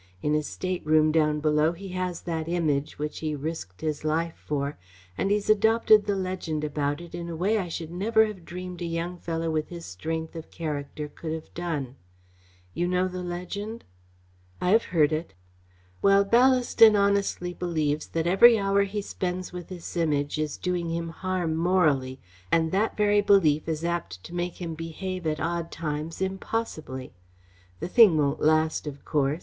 In his stateroom down below he has that Image which he risked his life for, and he's adopted the legend about it in a way I should never have dreamed a young fellow with his strength of character could have done. You know the legend?" "I have heard it." "Well, Ballaston honestly believes that every hour he spends with this Image is doing him harm morally and that very belief is apt to make him behave at odd times impossibly. The thing won't last, of course.